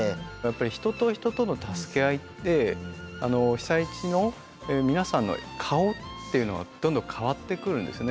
人と人との助け合いって被災地のみなさんの顔っていうのがどんどん変わってくるんですよね。